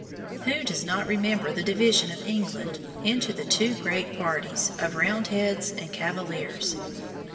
Who does not remember the division of England into the two great parties of Roundheads and Cavaliers?